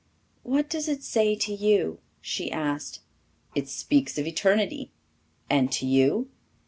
"What does it say to you?" she asked. "It speaks of eternity. And to you?"